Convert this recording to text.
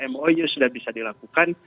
mou sudah bisa dilakukan